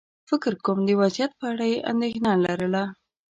فکر کووم د وضعيت په اړه یې اندېښنه لرله.